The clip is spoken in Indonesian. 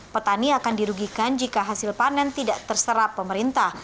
petani akan dirugikan jika hasil panen tidak terserap pemerintah